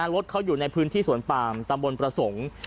รถเขาอยู่ในพื้นที่สวนปามตำบลประสงค์